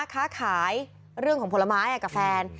ค้าขายเรื่องของผลไม้กับแฟน